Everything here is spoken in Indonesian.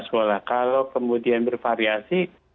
sekolah kalau kemudian bervariasi